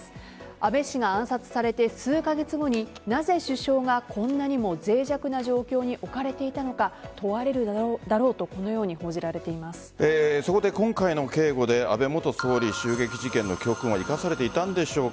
安倍氏が暗殺されて数カ月後になぜ首相がこんなにも脆弱な状況に置かれていたのか問われるだろうとそこで、今回の警護で安倍元総理襲撃事件の教訓は生かされていたんでしょうか。